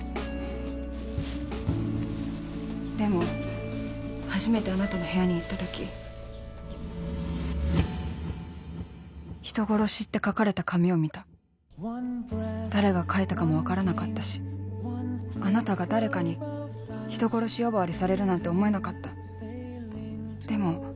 でも初めてあなたの部屋に行った時「人殺し」って書かれた紙を見た誰が書いたかも分からなかったしあなたが誰かに人殺し呼ばわりされるなんて思えなかったでも